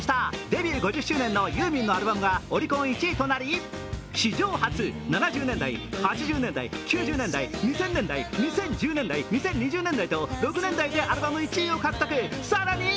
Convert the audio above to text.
デビュー５０周年のユーミンのアルバムはオリコン１位となり、史上初７０年代、８０年代、９０年代、２０００年代、２０１０年代、２０２０年代と６年代でアルバム１位を獲得。